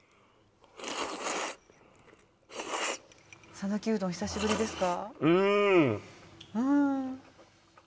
讃岐うどん久しぶりですか？